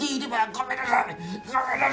ごめんなさい！